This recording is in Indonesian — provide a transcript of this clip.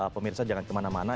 pemirsa jangan kemana mana